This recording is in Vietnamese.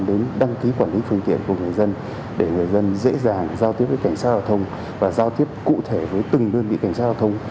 dễ dàng giao tiếp với cảnh sát giao thông và giao tiếp cụ thể với từng đơn vị cảnh sát giao thông